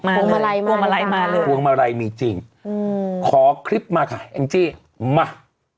มัลมาลัยมาคือมัลไลมีจริงขอคลิปมาค่ะเองจี้มา